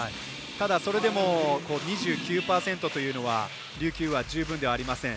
ただ、それでも２９％というのは琉球は十分ではありません。